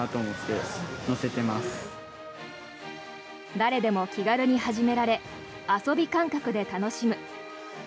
誰でも気軽に始められ遊び感覚で楽しむ。